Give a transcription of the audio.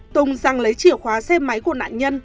tùng sang lấy chìa khóa xe máy của nạn nhân